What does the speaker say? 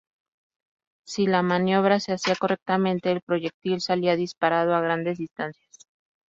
Si la maniobra se hacía correctamente, el proyectil salía disparado a grandes distancias.